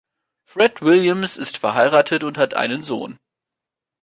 Fred Williams ist verheiratet und hat einen Sohn.